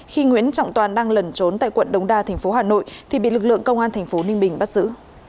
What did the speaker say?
khi nguyễn trọng toàn đang lẩn trốn tại quận đống đa thành phố hà nội thì bị lực lượng công an thành phố ninh bình bắt giữ